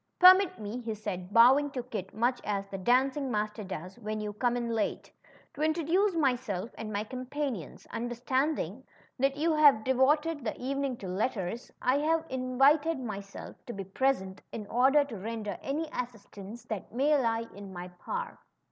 Permit me," he said, bowing to Kit much as the dancing master does when you come in late, to intro THE MASTER OF CEREMONIES. 30 THE CHILDREN'S WONDER BOOK. duce myself and iny companions. Understanding that you had devoted the evening to letters^ I have invited myself to be present^ in order to render any assistance that may lie in my power.